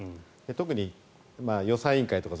特に予算委員会とか